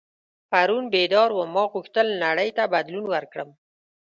پرون بیدار وم ما غوښتل نړۍ ته بدلون ورکړم.